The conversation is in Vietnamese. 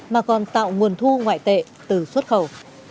mà còn tạo nguồn thu ngoại tệ từ xuất khẩu